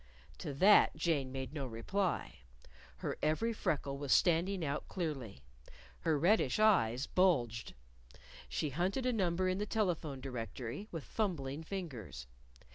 To that Jane made no reply. Her every freckle was standing out clearly. Her reddish eyes bulged. She hunted a number in the telephone directory with fumbling fingers.